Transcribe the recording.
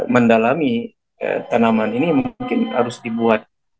mendalami tanaman ini mungkin harus dibuat